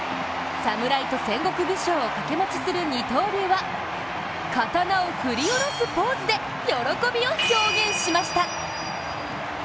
侍と戦国武将を掛け持ちする二刀流は、刀を振り下ろすポーズで喜びを表現しました。